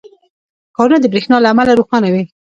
• ښارونه د برېښنا له امله روښانه وي.